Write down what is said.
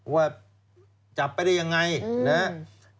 ว่าจับไปได้ยังไงนะครับ